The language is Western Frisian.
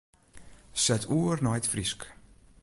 Set oer nei it Frysk.